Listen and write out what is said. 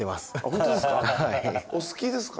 ホントですか。